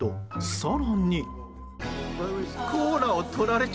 更に。